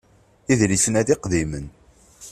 Idlisen-a d iqdimen.